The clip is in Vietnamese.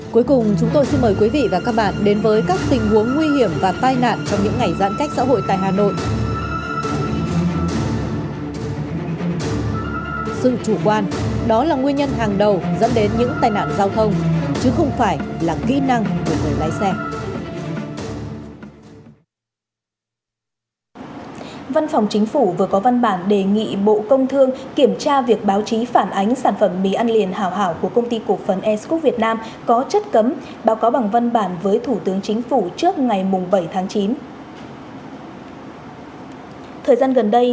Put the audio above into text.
cuối cùng chúng tôi xin mời quý vị và các bạn đến với các tình huống nguy hiểm và tai nạn trong những ngày giãn cách xã hội tại hà nội